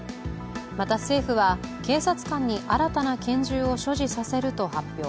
また政府は警察官に新たな拳銃を所持させると発表。